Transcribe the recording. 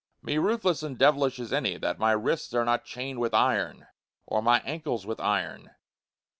Me ruthless and devilish as any, that my wrists are not chainâd with iron, or my ankles with iron?